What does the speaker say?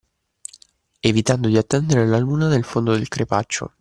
Evitando di attendere la Luna nel fondo del crepaccio.